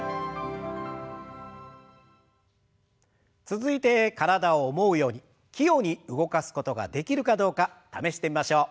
続いて体を思うように器用に動かすことができるかどうか試してみましょう。